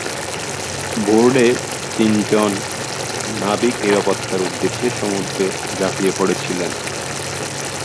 বোর্ডে তিনজন নাবিক নিরাপত্তার উদ্দেশ্যে সমুদ্রে ঝাঁপিয়ে পড়েছিলেন।